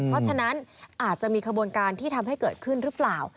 เพราะฉะนั้นอาจจะมีขบวนการที่ทำให้เกิดขึ้นหรือเปล่า